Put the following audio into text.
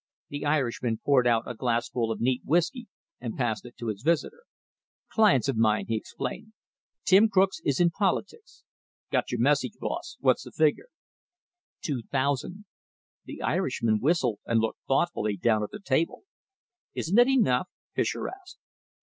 The Irishman poured out a glassful of neat whisky and passed it to his visitor. "Clients of mine," he explained. "Tim Crooks is in politics. Got your message, boss. What's the figure?" "Two thousand!" The Irishman whistled and looked thoughtfully down at the table. "Isn't it enough?" Fischer asked.